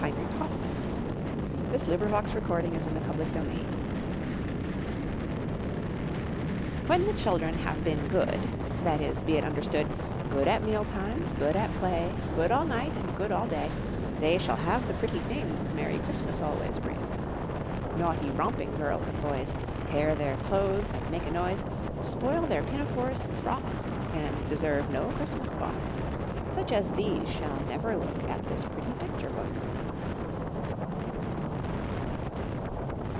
Inc. New York STRUWWELPETER Merry Stories and Funny Pictures When the children have been good, That is, be it understood, Good at meal times, good at play, Good all night and good all day They shall have the pretty things Merry Christmas always brings. Naughty, romping girls and boys Tear their clothes and make a noise, Spoil their pinafores and frocks, And deserve no Christmas box. Such as these shall never look At this pretty Picture book.